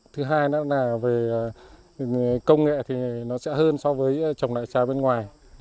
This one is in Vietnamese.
thứ hai là về công nghệ thì nó sẽ hơn so với trồng đại trà